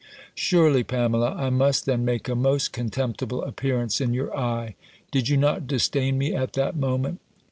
Surely, Pamela, I must then make a most contemptible appearance in your eye! Did you not disdain me at that moment?"